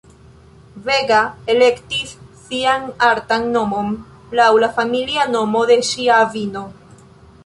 Vega elektis sian artan nomon laŭ la familia nomo de ŝia avino.